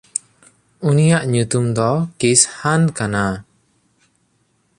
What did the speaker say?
ᱩᱱᱤᱭᱟᱜ ᱧᱩᱛᱩᱢ ᱫᱚ ᱠᱤᱥᱦᱟᱱ ᱠᱟᱱᱟ᱾